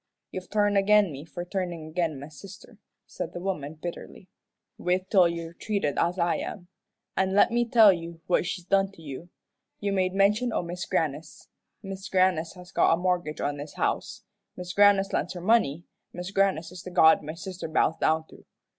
"You've turned agin me for turnin' agin my sister," said the woman, bitterly. "Wait till you're treated as I am. An' let me tell you what she's done to you. You made mention o' Mis' Grannis. Mis' Grannis has got a mortgage on this house. Mis' Grannis lends her money, Mis' Grannis is the god my sister bows down to.